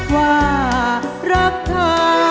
ว่ารักทำ